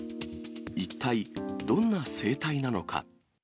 一体どんな生態なのか。